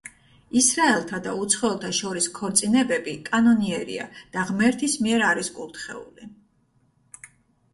ისრაელთა და უცხოელთა შორის ქორწინებები კანონიერია და ღმერთის მიერ არის კურთხეული.